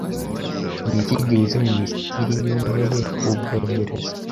Niki gihuza Minisitiri w’intebe w’Ubwongereza